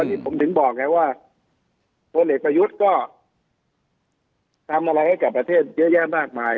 อันนี้ผมถึงบอกไงว่าพลเอกประยุทธ์ก็ทำอะไรให้กับประเทศเยอะแยะมากมาย